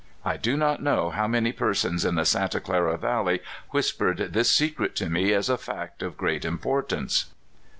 I do not know how many persons in the Santa Clara Valley whispered this secret to me as a fact of great importance.